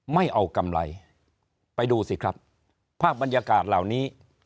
ไม่เอากำไรไปดูสิครับภาพบรรยากาศเหล่านี้